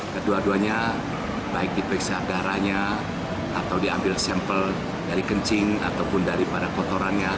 kedua duanya baik diperiksa agaranya atau diambil sampel dari kencing ataupun dari para kotorannya